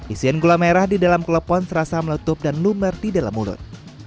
isian gula merah di dalam klepon serasa meletup dan lumer di dalam mulut